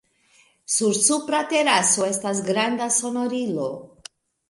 Sur supra teraso estas granda sonorilo.